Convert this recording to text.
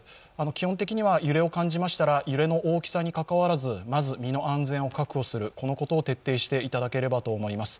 基本的には揺れを感じましたら、揺れの大きさにかかわらずまず身の安全を確保することを徹底していただければと思います。